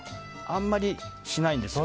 あんまりしないんです。